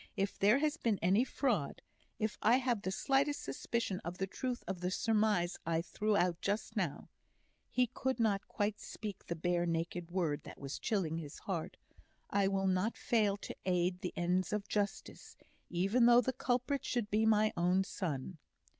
If there has been any fraud if I have the slightest suspicion of the truth of the surmise I threw out just now," he could not quite speak the bare naked word that was chilling his heart "I will not fail to aid the ends of justice, even though the culprit should be my own son."